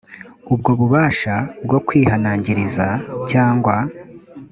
ubwo bubasha bwo kwihanangiriza cyangwa